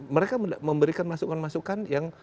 mereka memberikan masukan masukan yang